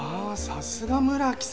さすが村木さん！